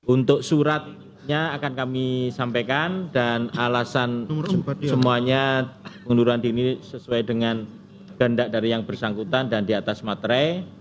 untuk suratnya akan kami sampaikan dan alasan semuanya pengunduran diri sesuai dengan kehendak dari yang bersangkutan dan di atas matre